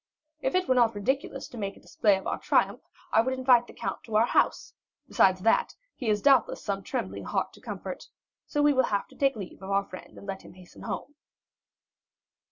"If it were not ridiculous to make a display of our triumph, said Morrel, I would invite the count to our house; besides that, he doubtless has some trembling heart to comfort. So we will take leave of our friend, and let him hasten home."